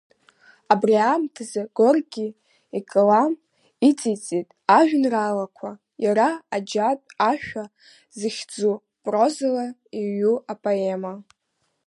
Абри аамҭазы Горки икалам иҵыҵит ажәеинраалақәа, иара Аџьатә ашәа зыхьӡу, прозала иҩу апоема.